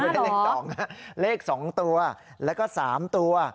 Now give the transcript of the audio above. อ่าหรอเลขสองตัวแล้วก็สามตัว